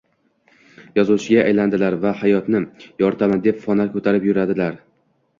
Yozuvchiga aylanadilar va hayotni yoritaman deb fonar ko’tarib yuradilar.